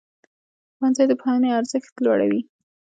ښوونځی د پوهنې ارزښت لوړوي.